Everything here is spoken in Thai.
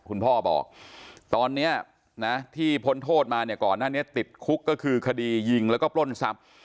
คุณพ่อบอกตอนนี้นะที่พ้นโทษมาเนี่ยก่อนหน้านี้ติดคุกก็คือคดียิงแล้วก็ปล้นทรัพย์